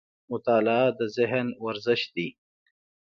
مطالعه د ذهن ورزش دی